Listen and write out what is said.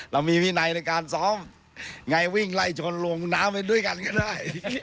เรามีวินัยในการซ้อมไงวิ่งไล่ชนลงน้ำไปด้วยกันก็ได้